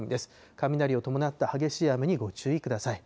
雷を伴った激しい雨にご注意ください。